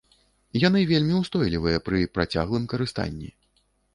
Яны вельмі ўстойлівыя пры працяглым карыстанні.